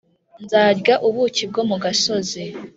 nzarya ubuki bwo mu gasozi